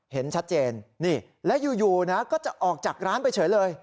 เห็นชัดเจนนี่แล้วอยู่นะก็จะออกจากร้านไปเฉยเลย